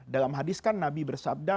dalam hadis kan nabi bersabda